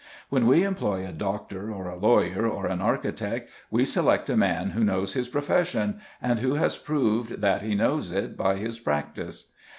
When we employ a doctor or a lawyer or an architect, we select a man who knows his profession, and who has proved that he knows it by his practice.